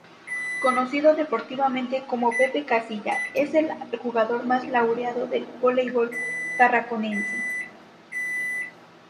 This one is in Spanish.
Conocido deportivamente como Pepe Casilla, es el jugador más laureado del voleibol tarraconense.